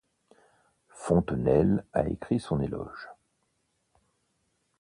Fontenelle a écrit son éloge.